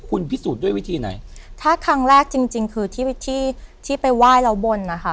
คุณพิสูจน์ด้วยวิธีไหนถ้าครั้งแรกจริงจริงคือที่วิธีที่ไปไหว้แล้วบนนะคะ